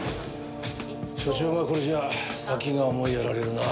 署長がこれじゃあ先が思いやられるな。